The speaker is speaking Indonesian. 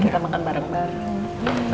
kita makan bareng bareng